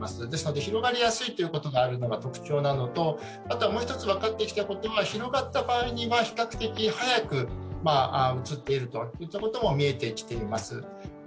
ですので広がりやすいというのが特徴なのともう一つ分かってきたことは、広がった場合は比較的早くうつっているということも見えてきています。